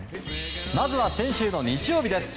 まずは先週の日曜日です。